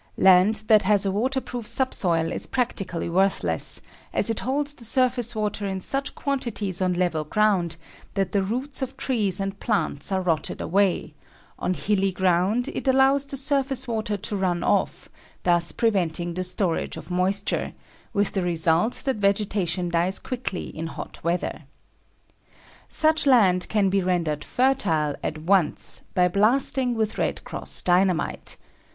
Land that has a waterproof subsoil is practically worthless, as it holds the surface water in such quantities on level ground, that the roots of trees and plants are rotted away; on hilly ground, it allows the surface water to run off, thus preventing the storage of moisture, with the result that vegetation dies quickly in hot weather. Such land can be rendered fertile at once by blasting with "Red Cross" Dynamite.